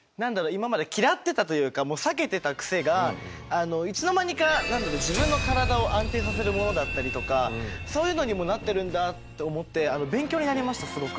今まで嫌ってたというか避けてたクセがいつの間にか何だろう自分の体を安定させるものだったりとかそういうのにもなってるんだと思って勉強になりましたすごく。